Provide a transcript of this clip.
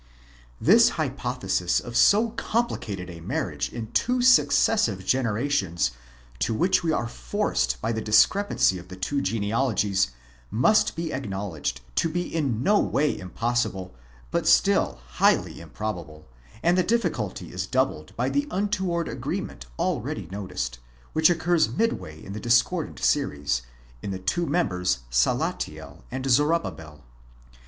This hypothesis of so complicated a marriage in two successive generations, to which we are forced by the discrepancy of the two genealogies, must be acknowledged to be in no way impossible, but still highly improbable: and the difficulty is doubled by the untoward agreement already noticed, which occurs midway in the discordant series, in the two members Salathiel and Zorobabel.